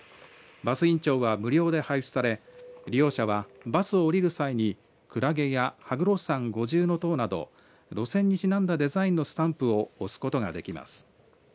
バス印帳は、無料で配布され利用者はバスを降りる際にクラゲや羽黒山五重塔などに路線にちなんだデザインのスタンプを押すことができます。